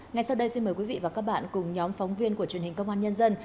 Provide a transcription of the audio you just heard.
ngay sau đây xin mời quý vị và các bạn cùng nhóm phóng viên của truyền hình công an nhân dân